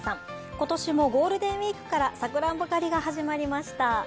今年もゴールデンウイークからさくらんぼ狩りが始まりました。